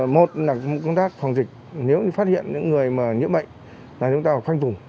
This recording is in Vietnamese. một là công tác phòng dịch nếu phát hiện những người nhiễm bệnh là chúng ta phải phanh thùng